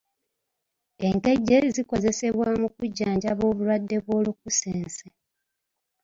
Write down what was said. Enkejje zikozesebwa mu kujjanjaba obulwadde bw'olukusense.